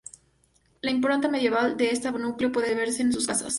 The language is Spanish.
La impronta medieval de este núcleo puede verse en sus casas.